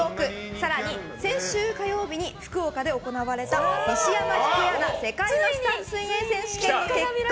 更に、先週火曜日に福岡で行われた西山喜久恵アナ世界マスターズ選手権の結果。